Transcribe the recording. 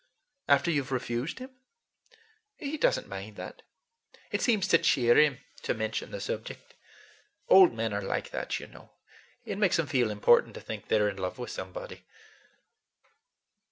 After you've refused him?" "He does n't mind that. It seems to cheer him to mention the subject. Old men are like that, you know. It makes them feel important to think they're in love with somebody."